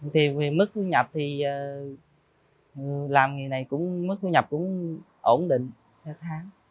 thì về mức thu nhập thì làm nghề này cũng mức thu nhập cũng ổn định theo tháng